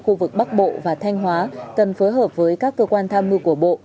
khu vực bắc bộ và thanh hóa cần phối hợp với các cơ quan tham mưu của bộ